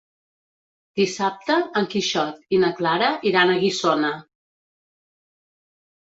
Dissabte en Quixot i na Clara iran a Guissona.